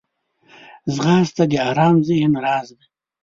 ځغاسته د ارام ذهن راز دی